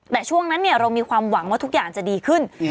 แต่ช่วงนั้นเรามีความหวังว่าทุกอย่างจะดีขึ้น